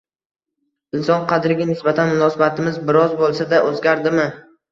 Inson qadriga nisbatan munosabatimiz biroz bo‘lsa-da o‘zgardimi?